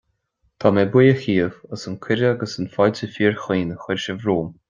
Tá mé buíoch dibh as an cuireadh agus an fáilte forchaoin a chur sibh romham